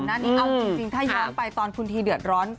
คือเข่าหน้านี้เอาจริงไปตอนคุณทีเดือดร้อน